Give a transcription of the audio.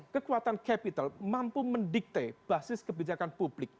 kekuatan capital mampu mendikte basis kebijakan publik